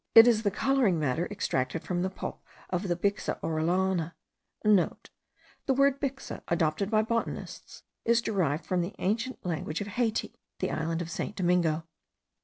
It is the colouring matter extracted from the pulp of the Bixa orellana.* (* The word bixa, adopted by botanists, is derived from the ancient language of Haiti (the island of St. Domingo).